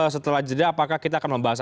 setelah jeda apakah kita akan membahas